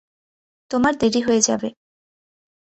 তোমার দেরি হয়ে যাবে।